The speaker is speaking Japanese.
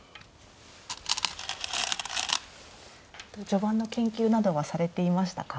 序盤の研究などはされていましたか？